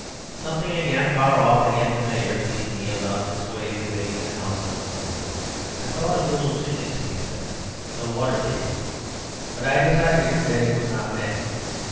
Something again far off, and yet familiar, pleased me about this way of invading the houses of men. I thought of little chimney sweeps, and 'The Water Babies;' but I decided that it was not that.